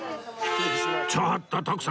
ちょっと徳さん！